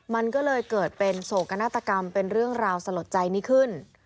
มันก็เลยเกิดเป็นโศกนาฏกรรมเป็นเรื่องราวสลดใจนี้ขึ้น